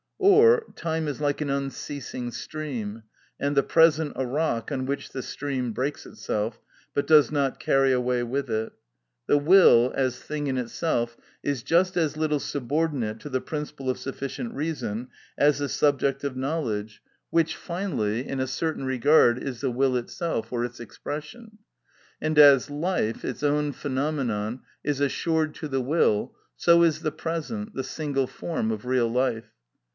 Or, time is like an unceasing stream, and the present a rock on which the stream breaks itself, but does not carry away with it. The will, as thing in itself, is just as little subordinate to the principle of sufficient reason as the subject of knowledge, which, finally, in a certain regard is the will itself or its expression. And as life, its own phenomenon, is assured to the will, so is the present, the single form of real life.